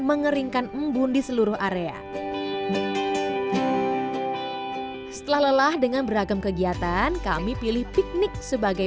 mengeringkan embun di seluruh area setelah lelah dengan beragam kegiatan kami pilih piknik sebagai